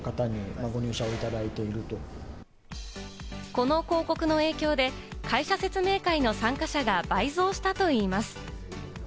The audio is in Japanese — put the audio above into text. この広告の影響で会社説明会の参加者が倍増したといいます。